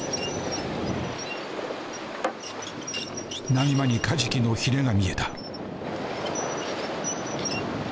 波間にカジキのヒレが見えた。